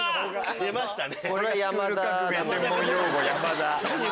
出ましたね。